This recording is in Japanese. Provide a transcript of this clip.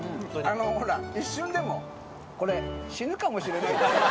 一瞬でも、これ、死ぬかもしれないって。